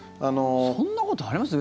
そんなことあります？